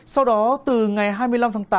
sau đó từ ngày hai mươi năm tháng tám